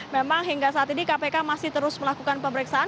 memang hingga saat ini kpk masih terus melakukan pemeriksaan